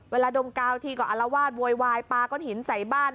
ดมกาวทีก็อารวาสโวยวายปลาก้อนหินใส่บ้าน